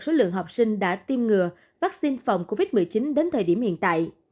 số lượng học sinh đã tiêm ngừa vaccine phòng covid một mươi chín đến thời điểm hiện tại